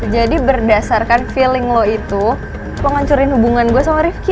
jadi berdasarkan feeling lo itu lo ngancurin hubungan gue sama rifqi